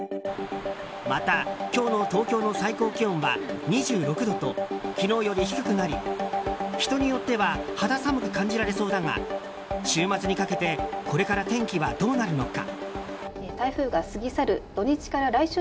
また、今日の東京の最高気温は２６度と昨日より低くなり人によっては肌寒く感じられそうだが週末にかけてこれから天気はどうなるのか。